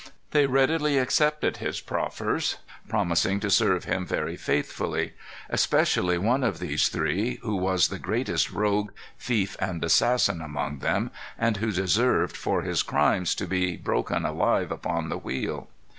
They readily accepted his proffers, promising to serve him very faithfully; especially one of these three, who was the greatest rogue, thief, and assassin among them, and who deserved, for his crimes, to be broken alive upon the wheel.